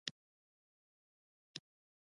دا اجتهاد میان متن واقعیت و مصلحت ده.